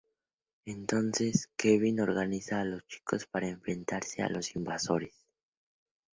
Entonces, Kevin organiza a los chicos para enfrentarse a los invasores.